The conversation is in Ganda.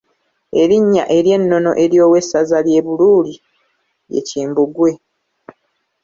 Erinnya ery’ennono ery’owessaza ly’e Buluuli ye Kimbugwe.